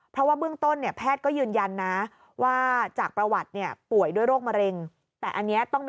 เพราะว่าเมื่องต้นแพทย์ก็ยืนยันนะว่าจากประวัติป่วยด้วยโรคมะเร็ง